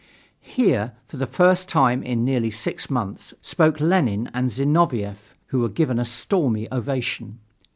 Here, for the first time in nearly six months, spoke Lenin and Zinoviev, who were given a stormy ovation.